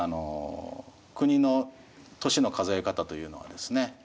国の年の数え方というのはですね